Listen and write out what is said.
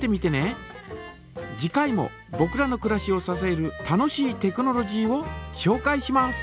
次回もぼくらのくらしをささえる楽しいテクノロジーをしょうかいします。